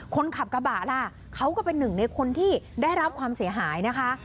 คนขับกระบะล่ะเขาก็เป็นหนึ่งในคนที่ได้รับความเสียหายนะคะ